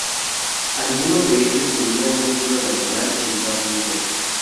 Algunos de ellos tenía un escudo nacional en lugar de un sol.